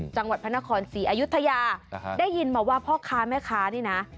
จังหวัดพระนครศรีอยุธยาได้ยินมาว่าพ่อค้าแม่ค้านี่นะ